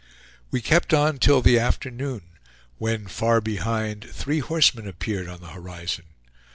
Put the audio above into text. We kept on till the afternoon, when, far behind, three horsemen appeared on the horizon.